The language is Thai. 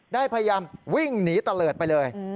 ได้พยายามวิ่งหนีตะเลิศไปเลย